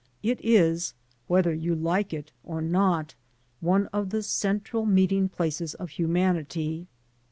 It is, whether you like it or not, one of the central meeting places of humanity.